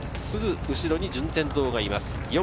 すぐ後ろに順天堂がいます。